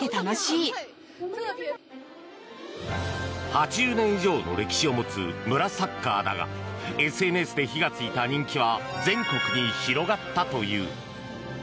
８０年以上の歴史を持つ村サッカーだがＳＮＳで火がついた人気は全国に広がったという。